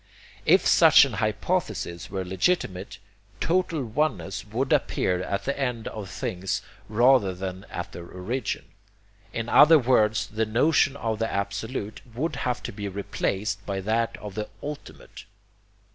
If such an hypothesis were legitimate, total oneness would appear at the end of things rather than at their origin. In other words the notion of the 'Absolute' would have to be replaced by that of the 'Ultimate.'